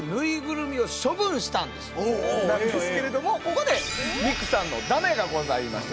なんですけれどもここで美紅さんのだめがございました。